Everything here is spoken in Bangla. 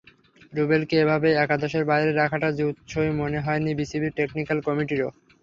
রুবেলকে এভাবে একাদশের বাইরে রাখাটা জুতসই মনে হয়নি বিসিবির টেকনিক্যাল কমিটিরও।